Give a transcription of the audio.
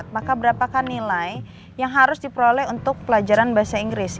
maka berapakah nilai yang harus diperoleh untuk pelajaran bahasa inggris